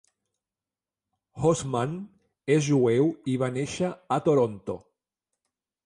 Hoffman és jueu i va néixer a Toronto.